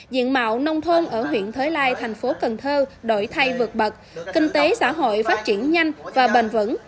diện mạo nông thôn ở huyện thới lai tp cn đổi thay vượt bật kinh tế xã hội phát triển nhanh và bền vững